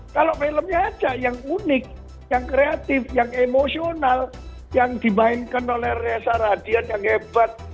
kalau filmnya aja yang unik yang kreatif yang emosional yang dimainkan oleh reza radian yang hebat